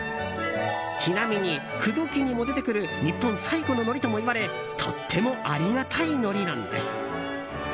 ちなみに風土紀にも出てくる日本最古の、のりともいわれとってもありがたいのりなんです。